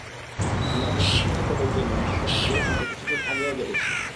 আমরা মুর্শিদ মিয়াকে ডেকে এনে মার্কেট সরিয়ে ফেলতে কিছুদিন আগেও বলেছি।